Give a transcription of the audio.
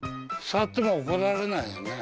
座っても怒られないよね？